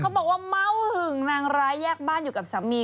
บอกว่าเม้าหึงนางร้ายแยกบ้านอยู่กับสามี